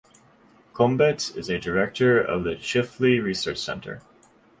Combet is a director of the Chifley Research Centre.